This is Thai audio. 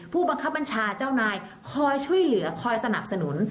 ผู้บังคับบัญชาเจ้านายคอยช่วยเหลือคอยสนับสนุน